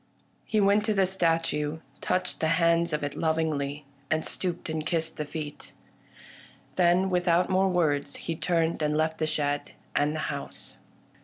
He went to the statue, touched the hands of it lov ingly, and stooped and kissed the feet. Then, without more words, he turned and left the shed and the house.